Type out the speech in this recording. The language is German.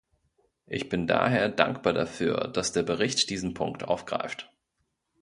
Ich bin daher dankbar dafür, dass der Bericht diesen Punkt aufgreift.